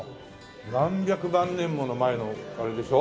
何百万年も前のあれでしょ？